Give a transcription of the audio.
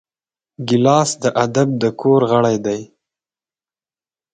ګیلاس د ادب د کور غړی دی.